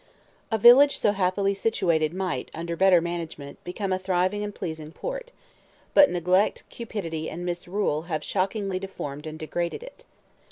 A village so happily situated might, under better management, become a thriving and pleasing port; but neglect, cupidity, and misrule have shockingly deformed and degraded it.